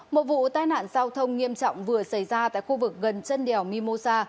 một vụ tai nạn giao thông nghiêm trọng vừa xảy ra tại khu vực gần chân đèo mimosa